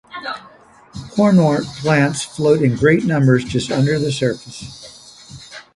Hornwort plants float in great numbers just under the surface.